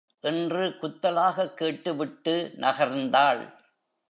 என்று குத்தலாகக் கேட்டுவிட்டு நகர்ந்தாள்.